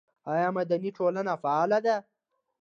آیا مدني ټولنه فعاله ده؟